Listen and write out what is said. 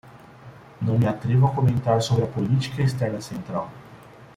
Não me atrevo a comentar sobre a política externa central